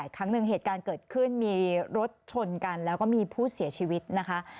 ครั้งหนึ่งเหตุการณ์เกิดขึ้นมีรถชนกันแล้วก็มีผู้เสียชีวิตนะคะ